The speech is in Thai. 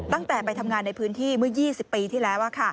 ตั้งแต่ไปทำงานในพื้นที่เมื่อ๒๐ปีที่แล้ว